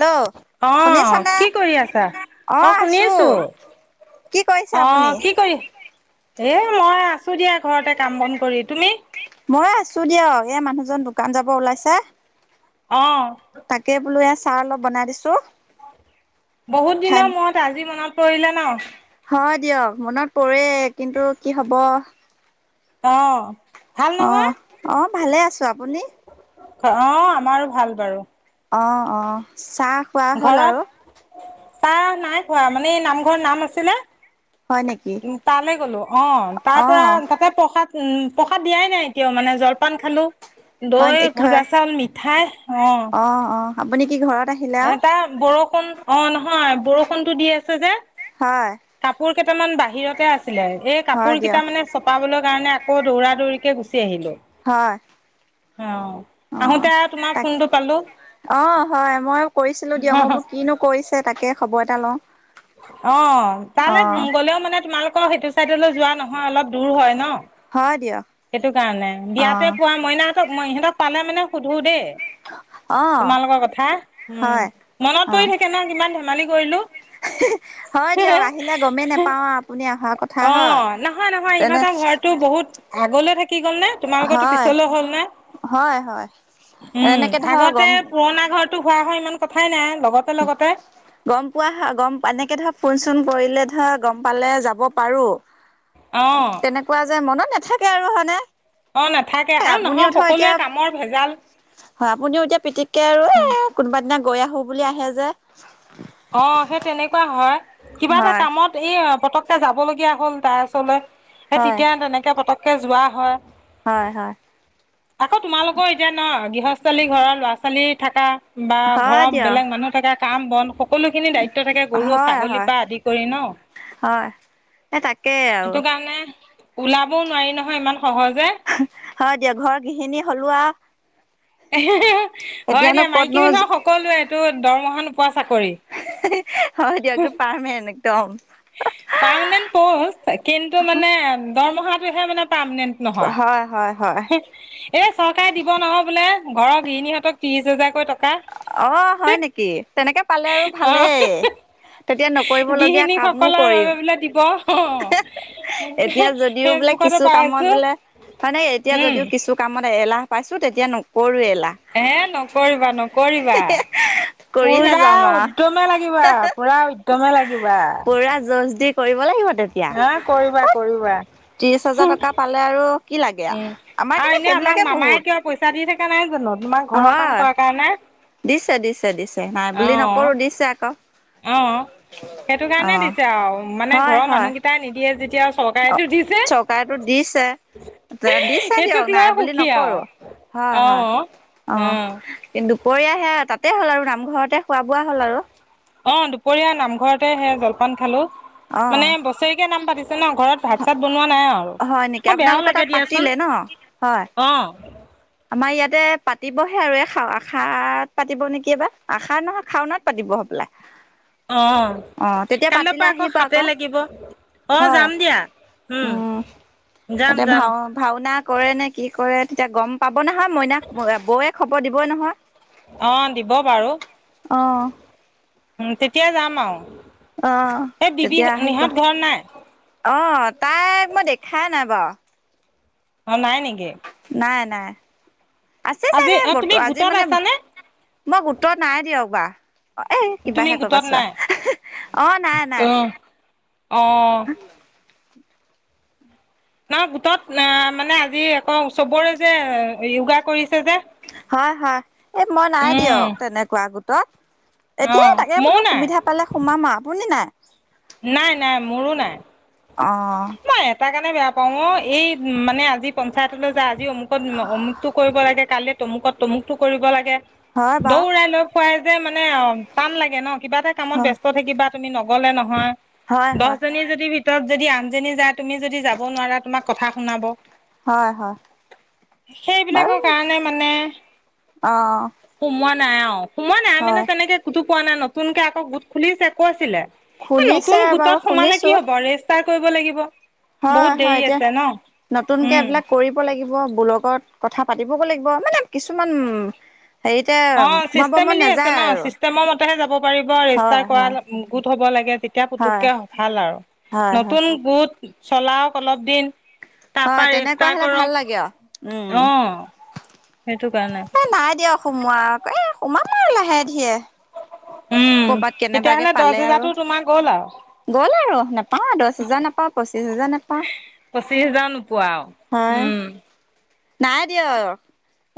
Hello অ', শুনিছানে? কি কৰি আছা? অ', শুনিছো। কি কৰিছে অ', আপুনি? কি কৰি এ মই আছো দিয়া, ঘৰতে কাম বন কৰি। তুমি? মই আছো দিয়ক। এই মানুহজন দোকান যাব ওলাইছে। অ'। তাকে বোলো এ চাহ অলপ বনাই দিছো। ত' বহুত দিনৰ মূৰত আজি মনত পৰিলে ন? হয় দিয়ক। মনত পৰেই কিন্তু কি হ'ব অ'। ভাল নহয়? অ', অ', ভালে আছো। আপুনি? অ', আমাৰো ভাল বাৰু। অ', অ'। চাহ খোৱা হ'ল ঘৰত আৰু? চাহ নাই খোৱা। মানে এই নামঘৰ নাম আছিলে। হয় নেকি? উম, তালে গ'লো। অ', তাৰ পৰা তাতে প্ৰসাদ উম, প্ৰসাদ দিয়াই নাই এতিয়াও মানে জলপান খালো। হয় দৈ ভজা হয় চাউল মিঠাই অ', আপুনি কি ঘৰত, আহিলে আৰু এটাৰ বৰষণ বৰষুণ অ' নহয় বৰষুণতটো দি আছে যে। হয়। কাপোৰ কেইটামান বাহিৰতে আছে। ছিলে এই হয় কাপোৰ দিয়ক কেইটা মানে চপাবলৈ কাৰণে আকৌ দৌৰা-দৌৰি, কে গুচি আহিলো। হয়। অ। অ আহোতে তোমাৰ তাক ফোনটো পালো। অ' হয় মই কৰিছিলো দিয়া মই বোলো কিনো কৰিছে তাকে খবৰ এটা লও। অ' তালৈ গ'লেও মানে তোমালোকৰ সেইটো চাইডলৈ যোৱা নহয় অলপ দূৰ হয় ন। হয় দিয়ক সেইটো কাৰণে বিয়াতে অ' পোৱা মইনাহতক সিহঁতক পালে মানে সুধো দেই অ' তোমালোকৰ কথা উম, হয় মনত পৰি অ' থাকে ন কিমান ধেমালি কৰিলো। হয় দিয়ক আহিলে গমেই নেপাও আৰু আপুনি অহাৰ কথা অ হয় নহয় নহয় যেনে ইহঁতৰ ঘৰটো বহুত আগলৈ থাক কি গল নে, তোমালোকৰ হয় পিছলে হ'ল নে? হয় হয় উ এনেকে ধৰ আগতে গম পুৰণ ঘ টো হোৱা হয় ইমান কথাই নাই। লগতে লগতে গম পোৱা হয় গম এনেকে ধৰক ফোন চোন কৰিলে ধৰা গম পালে যাব পাৰো। অ', তেনেকুৱা যে মনত নেথাকে। কে আৰু হয়নে? অ', নাথাকে এ আৰু নহয় আপুনিও ধৰ সকলোৱে এতিয়া কামৰ ভেজাল হয় আপুনিও এতিয়া পিতিককে আৰু এ কোনোবাদিনা গৈ আহো। বুলি আহে যে। অ' সেই তেনেকুৱা হয়। কিবা এটা হয় কামত এই পতককে যাব লগগীয়া হ'ল তাৰ ওচৰলে। এ হয় তেতিয়া তেনেকে পটক কে যোৱা হয়। হয় হয়। আকৌ তোমালোকৰ এতিয়া ন গৃহস্থালী ঘৰৰ ল'ৰা ছোৱালী থাকা বা হয় ঘৰত দিয়ক বেলেগ মানুহ থাকে। কাম বন স খিনি দায়িত্ব থাকে গৰু হয় ছাগলীৰ হয় পৰা আদি কৰি ন হয় এই তাকেই আৰু সেইটো কাৰণে ওলাবও নোৱাৰি নহয় ইমান সহজে। হয় দিয়ক ঘৰ গৃহিণী হ'লো আৰু এহে হে হয় এতিয়ানো দিয়া ক'তনো মাইকী মানুহৰ সকলোৱে এইটো দৰমহা নোপোৱা চাকৰি। হয় দিয়ক একদম পাৰমেন্ট একদম পাৰমাণ্টেত প'ষ্ট কিন্তু মানে দৰমহা। টোহে মানে। পাৰমাণ্টেত নহয় হয় হয় হয় এই চৰকাৰে দিব নহয় বোলে। ঘৰৰ গৃহিণীহঁতক ত্ৰিশ হাজাৰকৈ টকা অ' হয় নেকি তেনেকে পালে আৰু অ' ভালেই তেতিয়া নকৰিব লগীয়া কামো কৰিম। ক' এতিয়া যদিও বোলে ফেচবুকতে কিছু পাই কামত আছো। বোলে হয় নে এতিয়া উম, যদিও কিছু কামত। এলাহ পাইছোঁ তেতিয়া নোক হে নকৰিবা নকৰিবা কৰিহে পুৰা যাম উদ্যমে লাগিবা আৰু পুৰা উদ্য মে লাগিবা। পুৰা জজ দি কৰিব লাগিব। তেতিয়া হা কৰিবা। ত্ৰিশ হাজাৰ টকা পালে আৰু কি লাগে আ উম আমাৰ আৰু কিন্তু এনেও আমাক সেইবিলাকে মামাই বহুত কিবা পইচা দি থাকা নাই জানো তোমাক ঘৰৰ কাম হয় কৰাৰ কাৰণে। দিছে -দিছে -দিছে নাই বুলি নকৰো দিছে আকৌ অহ সেইটো অ কাৰণে দিছে আৰু মানে হয় ঘৰৰ হয় মানুহ কেইটাই নিদিয়ে যে অ' চৰকাৰেটো দিছে দিছে সেইটোক দিয়ক লৈ নাই বুলি সুখী নকৰো আৰু হয় অঁ হয় অ অঁ কিন্তু দুপৰীয়া সেই তাতে হ'ল আৰু নামঘৰতে খোৱা বোৱা হ'ল আৰু। অ' দুপৰীয়া নামঘৰতে সে জলপান খালো অ মানে বছৰেকীয়া নাম পাতি তোমাৰ ঘৰত ভাত চাত ব নোৱা নাই আৰু হয় নেকি অঁ বেয়াও আপোনালোকৰ তাত লাগে পাতিলে দিয়াচোন, ন হয় অঁ। আমাৰ ইয়াতে পাতিবহে আৰু এই শাও আষাৰত পাতিব নেকি এইবাৰ আষাৰত নহয় শাওনাত পাতিব হ'বলা। অঁ অ তেতিয়া কাইলৈ পাতিলে পৰা আকৌ আহিব শাতে লাগিব, অঁ হয় যাম দিয়া উম তাতে যাম-যাম। এতিয়া গম পাওঁ নহয় মইনা ব অ বৌয়ে খবৰ দিবই নহয়। অঁ দিব বাৰু। অ উম, তেতিয়া যাম আৰু। অঁ এই বিবি তেতিয়া আহি নিহঁত পোৱা, ঘৰত নাই অঁ তাইক মই দেখাই নাপাও। অঁ নাই নেকি। নাই- নাই। আছে আজি চাগে অ তুমি বতুৱা আজি গোটত মানে আছানে মই গোটত নাই দিয়ক বা। অঁ এ তুমি কিবাহে কৈ গোটত পাইছোঁ আও, নাই অঁ নাই- নাই। অঁ। নহয় গোটত না মানে আজি আকৌ চবৰে যে য়োগা কৰিছে যে হয়-হয় এ মই নাই উম দিয়ক, তেনেকুৱা গোট গোটত। অ এতিয়া তাকে ময়ো বোলো নাই সুবিধা পালে সোমাম আৰু আপুনি নাই নাই- নাই মোৰো নাই। অ মই এটা কাৰণে বেয়া পাওঁ অ এই মানে আজি পঞ্চায়তলৈ যে আজ আজি অমুকত অমুকতটো কৰিব লাগে, কালি তমুকত তমুকটো কৰিব লাগে। হয় বাৰু দৌৰাই লৈ ফুৰাই যে মানে অ টান লাগে ন কিবা এটা কামত হয় ব্যস্ত থাকিবা তুমি নগ'লে নহয়। হয় দহ হয় জনীয়ে যদি ভিত তক যদি আন যোনে যায় তুমি যদি যাব নোৱাৰা, তোমাক কথা শুনাব। হয় হয় সেইবিলাকৰ বাৰু কাৰণে মানে, অ', সোমোৱাত নাই আও সোমাৱা নাই মানে হয় তেনেকে কোতো পোৱা নাই ন। নতুনকে আকৌ গোট খুলিছে কৈছিলে। এ খুলিছে নতুন গোটত বাৰু সোমালে কি শুনিছো হ'ব, ৰেষ্টাৰ কৰিব ব লাগিব। হয়, বহুত হয়। দেৰি এতিয়া আছে ন নতুনকে উম এইবিলাক কৰিব লাগিব। ওঅ', বুলকত কথা পাতিবগৈ লাগিব। মানে কিছুমান হেৰিতে অ', সোমাব মন চিষ্টেমেলি আছে নাযায় ন, আৰু চিষ্টেমৰ মতেহে যাব পাৰিব। হয়, ৰেজিষ্টাৰ হয়, কৰা গোট হ'ব লাগে। তেতিয়া হয়, পুতুককে ভাল আৰু। হয়, হয়, নতুন গোট চলাওক অলপ দিন। হয় তাপা তেনেকুৱা ৰেজিষ্টাৰ হ'লে ভাল কৰক। লাগে আৰু উম। অ সেইটো কাৰণে এই নাই দিয়ক সোমোৱা, এ সো সোমাম আও লাহে-ধীৰে। উম ক'বাত কেনেবাকে তেতিয়াহ'লে দহ পালে আৰু হেজাৰতো তোমাৰ গ'ল আৰু গ'ল আৰু নাপাওঁ। দহ হোজাৰ নাপাওঁ, পঁচিশ হোজাৰ নাপাওঁ। পোৱাও। হয় উম। নাই দিয়ক।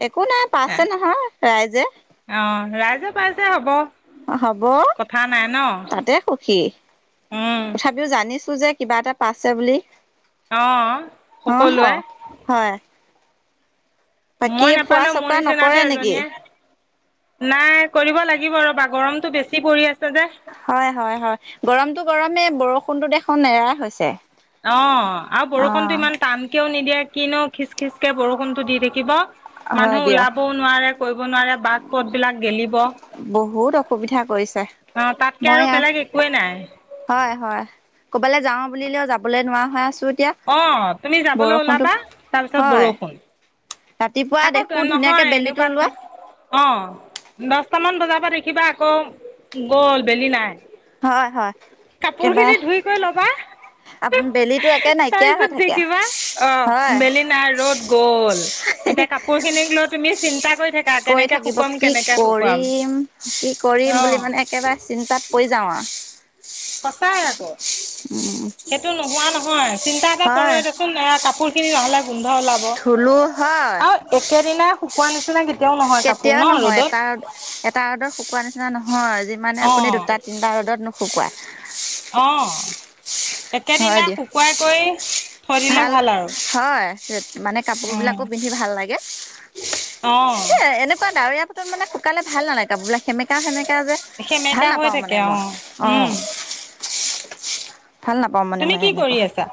একো নাই, পাইছে নহয়। ৰাইজে অ', ৰাইজে পাইছে হ'ব। অ', হ'ব। কথা নাই ন তাতে সুখী, উম তথাপিও জানিছো যে কিবা এটা পাইছে বুলি। অ', অহ সকলোৱে। হয় বাকী মই নেপালেও মোৰ ফুৰা-চকা নিচিনাতো নকৰে নেকি? এজনীয়ে নাই কৰিব লাগিব ৰ'বা। গৰমতটো বেছি পৰি আছে যে হয়, হয়, হয়। গৰমতো গৰমে বৰষুণটো দেখোন নেৰাই হৈছে। অ', আৰু অ বৰষুণতো ইমান টানকেও নিদিয়ে কিনো খিচ-খিচকে বৰষুণটো দি থাকিব। হয় মানুহ দিয়ক ওলাবও নোৱাৰে কৰিবও নোৱাৰে। বাট-পথ বিলাক গেলিব। অ' বহুত অসুবিধা কৰিছে। তাতকে মই আৰু এয়া, বেলেগ একোৱেই নাই। হয়, হয়। ক'ৰবালৈ যাওঁ বুলিলেও যাবলৈ নোৱাৰা হৈ আছ অ', তুমি যাবলৈ ওলাবা, তাৰপিছত হয় বৰষুণ। ৰাতিপুৱা আকৌ দেখো ধুনীয়াকে বেলিটো ওলোৱা। দচটামান বজাৰ পৰা দেখিবা আকৌ গ'ল, বেলি নাই। হয় হয় কাপোৰ একেবাৰে খিনি ধুই কৰি ল'বা, আপুনি বেলিটো একে নাইকিয়া হৈ তাৰপিছত থাকে দেখিবা, অ', হয় বেলি নাই ৰ'দ গ'ল। এতিয়া কাপোৰ খিনিক লৈ তুমি চিন্তা কৰি থাকা কৈ কেনেকে থাকিব, শুকুৱাম কি কেনেকে শুকুৱাম। কৰিম কি কৰিম অ', বুলি মানে একেবাৰে চিন্তাত! পাঁচ। সঁচাই আকৌ সেইটো নোহোৱা নহয়। চিন্তা এটা কৰো হয় এ দেচোন এয়া কাপোৰ খিনি! গোন্ধ ওলাব ধুলো হয় আৰু একেদিনাই শুকোৱা নিচিনা [unintelligible] কাপোৰ কেতিয়াও ন নহয় ৰ'দত এটা ৰ এটা ৰ'দত শুকোৱা নিচিনা। [unintelligible] হয় যিমানে আপুনি অ', দুটা তিনটা ৰ'দত শুকোৱায়। অ'। হয় একেদিনা দিয়ক শুকুৱাই কৰি। থৈ দিলে ভাল আৰু হয়। [unintelligible] মানে উম, কাপোৰবিলাকো পিন্ধি ভাল লাগে, অ', এই এনেকুৱা ডাৱৰীয়া পাতত মানে শুকালে ভাল নালাগে কাপোৰবিলাক সেমেকা সেমেকা যে ভাল সেমেকা হৈ নাপাওঁ মানে থাকে মই অ। উম, ভাল নাপাওঁ মানে তুমি মই কি কৰি এনেকুৱা আছা?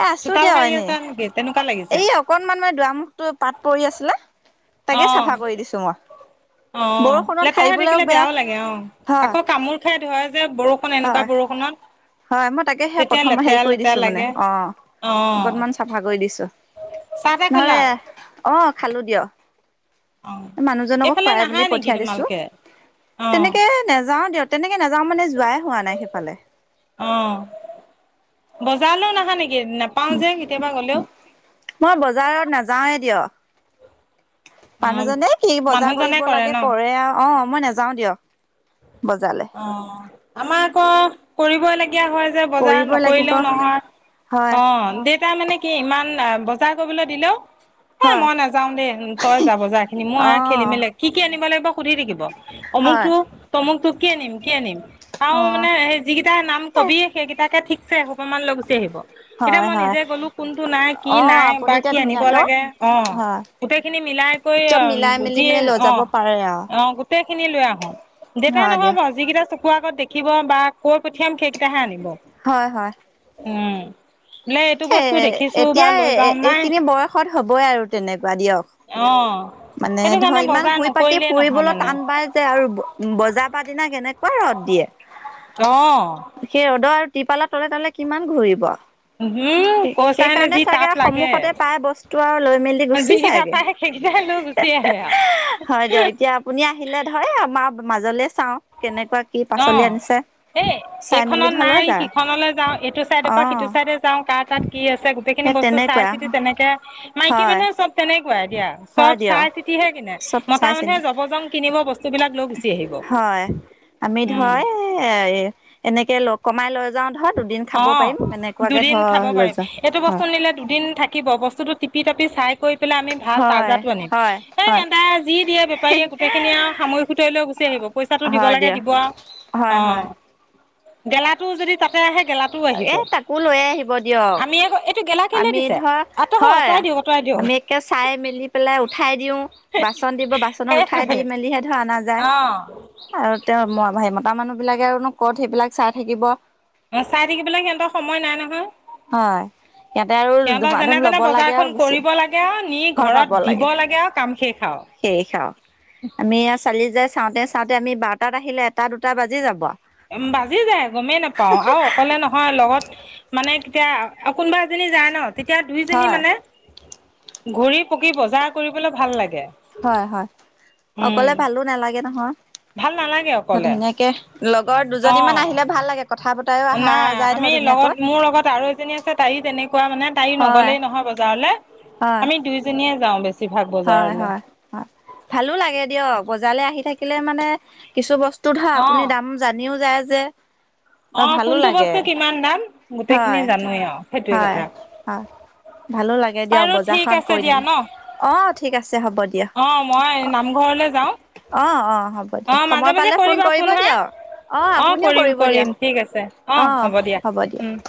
এ আছো চোতাল দিয়ক সাৰি এনেই আছা নেকি তেনেকুৱা লাগিছে এই অকনমান মান দুৱাৰমুখটো পাত পৰি আছিলে তাকে অ', চাফা কৰি দিছো মই, অ' বৰষুণত লেতেৰা হৈ সাৰিবলৈও থাকিলে বেয়া বেয়াও লাগে, অ' হয় আকৌ কামোৰ [unintelligible] এনেকুৱা হয় বৰষুণত হয় মই তাকেহে তেতিয়া প্ৰথমে লেতেৰা হেৰি কৰি লেতেৰা দিছো মানে লাগে অ' অকনমান চাফা কৰি দিছো চাহ তাহ নহলে খালা অ' খালো দিয়ক অ মানুহজনকক এইফালে খুৱাই নাহা মেলি নেকি পঠিয়াই দিছো তোমালোকে অ তেনেকে নেযাও দিয়ক তেনেকে নেযাও মানে যোৱাই নাই সেইফালে অ' বজাৰলৈও নাহা নেকি? নাপাও যে মই কেতিয়াবা গলেও বজাৰত নাযাওৱে দিয়ক। অ মানুহজনে কি বজাৰ মানুহজনে কৰিব লাগে ন কৰে আৰু অ'। মই নাযাওঁ দিয়ক। বজাৰলে অ' আমাৰ আকৌ কৰিব লাগে। হয় যে বজাৰ কৰিবই লাগিব নকৰিলেও হয় নহয় অ' দেতা মানে কি ইমান বজাৰ কৰিবলৈ দিলেও হ হয় মই নাযাও দেই তই যাব যা খিনি মই অ খেলি মেলি কি কি আনিব লাগিব সুধি থাকিব হয় অমুকটো তমুক কি আনিম? কি আনিম? আৰু অ মানে সেই যিকেইটাৰ নাম কবি সেইকেইটাকে ঠিকছে এসোপা মান লৈ গুচি আহিব। এতিয়া হয় মই হয় নিজে গ'লো কোনটো নাই, কি অ নাই, আপুনি বা এতিয়া কি আনিব ধুনীয়াকে লাগে, অ', হয় গোটেই খিনি মিলাই কৰি চব মিলাই মেলি আ-যি মানে লৈ যাব অ', পাৰে আৰু অ', গোটেই খিনি লৈ আহো। দেউতাই হয় নহ দিয়ক চকুৰ আগত দেখিব, বা কৈ পঠিয়াম সেইকেইটাহে আনিব। হয়, হয়। উম। বোলে এইটো এ বস্তু দেখিছো বা এতিয়া লৈ যাও নাই এ-এ-এইখিনি বয়সত হ'বই আৰু তেনেকুৱা অ দিয়ক। মানে সেইটো কাৰণে ধৰ ইমান বজাৰ ঘূৰি-পাকি নকৰিলেই নহয় ফুৰিবলৈ মানে টান পাই যে, আৰু ব-বজাৰ-পাতি নাই পোৱা ৰ'দ দিয়ে। অ সেই ৰ'দত তিপালৰ তলে-তলে কিমান ঘূৰিব আও! উম কৈছাহেনে সেইকাৰণে যি চাগে তাপ লাগে সন্মুখতে পাই বস্তু আৰু লৈ-মেলি গুচি যিকেইটা যাইগে। পায় সেইকেইটাই লৈ গুচি হেহ-হেহ-হে, আহে আৰু হয় দিয়ক। এতিয়া আপুনি আহিলে ধৰ এ মা মাজলে চাওঁ, কেনেক অ', এই চাই মেলি এইখনত ধৰ লৈ নাই যায় সিখনলৈ যাওঁ, এইটো চাইডে পৰা সিটো অ', চাইডে যাওঁ, কাৰ তাত কি আছে? গোটেইখিনি সেই বস্তু তেনেকুৱা চাই-চিতি তেনেকে মাইকী হয়, মানুহে চব তেনেক ঘূৰাই দিয়া, চব হয় দিয়ক চাই-চিতিহে কিনে। চব মতা চাই মানুহে চিন্তি জবজং কিনিব, বস্তুবিলাক লৈ গুচি আহিব। হয়। আমি উম ধৰ এ এনেকে লওক, কমাই লৈ যাওঁ ধৰ দুদিন খাব পাৰিম অ', এনেকুৱাকে দুদিন ধৰ খাব লৈ পাৰিম। যোৱা এইটো হয়, বস্তু নিলে দুদিন থাকিব, বস্তুতটো টিপি-টপি চাই কৰি পেলাই আমি ভাল হয়, তাজাটো আনিম। হয়, এই হয়, ইহঁতে যি দিয়ে বেপাৰীয়ে গোটেইখিনি আৰু সামৰিক-সুতৰি লৈ গুচি আহিব। পইচাটো দিব হয় লাগে দিয়ক। দিব আও। হয়, হয়, অ'। গেলাটোও যদি তাত তে আহে গেলাটোও আহিব। এ তাকো লৈ আহিব দিয়ক। আমি আকৌ এইটো গেলা কেলে আমি দিছে ধৰ আঁতৰ হয়, আঁতৰাই দিয়ক আঁতৰাই দিয়ক আমি একে চাই-মেলি পেলাই উঠাই দিওঁ। বাচন দিব, বাচনত উঠাই সেইটোৱে দি-মেলিহে ধৰ অনা যায়। আৰু তেওঁ ম-ম হেৰি মতা মানুহ বিলাকে আৰু নো ক'ত সেইবিলাক চাই থাকিব। অ', চাই থাকিবলৈ সিহঁতৰ সময় নাই নহয়। হয়, সিহঁতে আৰু সিহঁতৰ যেনে ধুমা-ধুম তেনে ল'ব লাগে বজাৰখন আৰু গুচি কৰিব আহি লাগে আৰু নি ঘৰ ঘৰত পাব দিব লাগে, আৰু কাম শেষ আৰু শেষ আৰু। আমি চালি-জাৰি চাওঁতে চাওঁতে আমি বাৰটাত আহিলে এটা-দুটা বাজি যাব। উম, বাজি যায় গমেই নাপাওঁ, আৰু অকলে নহয় লগত মানে এতিয়া আৰু কোনোবা এজনী যায় ন। তেতিয়া দুইজনী হয় মানে ঘূৰি-পকি বজাৰ কৰিবলৈ ভাল লাগে। হয় হয়, উম অকলে ভালো নালাগে নহয়। ভাল নালাগে অকলে ধুনীয়াকে, লগৰ অ দুজনী মান আহিলে ভাল লাগে কথা বতৰাও অহা নাই যায় ধৰ আমি লগত, ধুনীয়াকৈ মোৰ লগত আৰু এজনী আছে তাইওঁ তেনেকুৱা মানে, তাইওঁ হয় নগলেই নহয় বজাৰলে, হয় আমি দুইজনীয়ে [unintelligible] হয়, বজাৰলে হয়, হয়, ভালো লাগে দিয়ক বজাৰলৈ আহি থাকি থাকিলে মানে কিছু বচ [unintelligible] অ আপুনি দাম জানিওঁ যায় যে বা অ', ভালো কোনটো লাগে বস্তু কিমান দাম, গোটেইখিনি হয় জানোৱেই আৰু, সেইটোৱে হয় হয় কথা। ভালো লাগে দিয়ক, বাৰু ঠিক বজাৰখন আছে কৰি দিয়া দিলে। ন অ', ঠিক আছে হ'ব দিয়া। অ মই অ', নামঘৰলে যাওঁ অ', হ'ব অ দিয়া, মাজে সময় মাজে পালে ফোন কৰিবা কৰিব হা দিয়ক। অ', আপুনিও কৰিম কৰিব দিয়া, কৰিম ঠিক আছে অ', হ'ব দিয়া। উম।